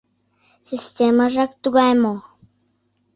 Системыжак тугай мо?